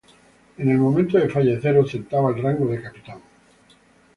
En el momento de fallecer ostentaba el rango de capitán.